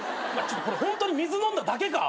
これホントに水飲んだだけか？